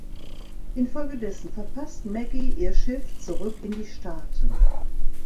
Infolgedessen verpasst Maggie ihr Schiff zurück in die Staaten.